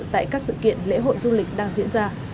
tại các sự kiện lễ hội du lịch đang diễn ra